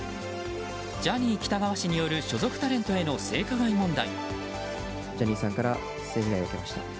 ジャニー喜多川氏による所属タレントへの性加害問題。